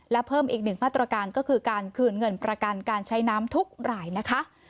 และเพิ่มอีกหนึ่งมาตรการก็คือการคืนเงินประกันการใช้น้ำทุกรายนะคะ